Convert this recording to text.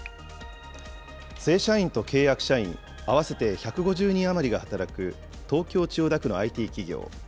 正社員と契約社員合わせて１５０人余りが働く、東京・千代田区のＩＴ企業。